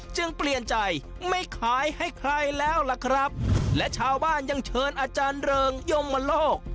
จึงเปลี่ยนใจไม่ขายให้ใครแล้วล่ะครับและชาวบ้านยังเชิญอาจารย์เริงยมโลก